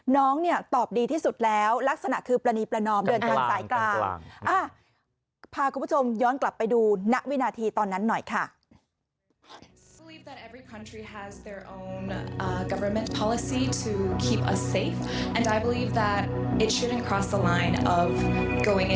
น้องตอบดีที่สุดแล้วลักษณะคือประณีประนอมเบือนทางสายกลาง